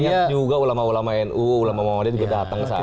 banyak juga ulama ulama nu ulama muhammadin juga datang